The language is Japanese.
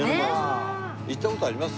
行った事あります？